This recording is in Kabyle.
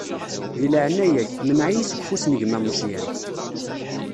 Di leɛnaya-k, mneɛ-iyi seg ufus n gma Meẓyan.